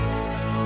kok lo udah tau